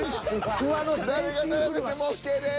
誰が並べてもＯＫです。